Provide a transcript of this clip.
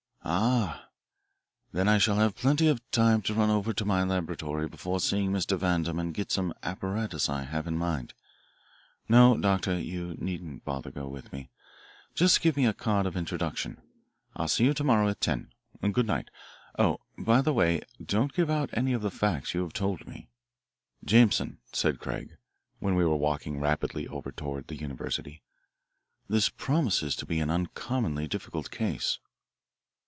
"Ah, then I shall have plenty of time to run over to my laboratory before seeing Mr. Vandam and get some apparatus I have in mind. No, Doctor, you needn't bother to go with me. Just give me a card of introduction. I'll see you to morrow at ten. Good night oh, by the way, don't give out any of the facts you have told me." "Jameson," said Craig, when we were walking rapidly over toward the university, "this promises to be an uncommonly difficult case."